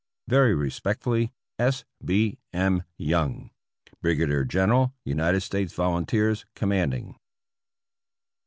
Very respectfully, S. B. M. Young, Brigadier General United States Volunteers, Commanding.